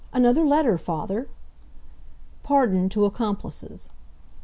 "Another letter, father!" "PARDON TO ACCOMPLICES.